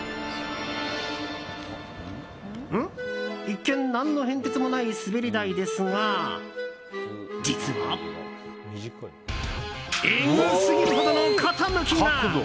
一見、何の変哲もない滑り台ですが実は、えぐすぎるほどの傾きが。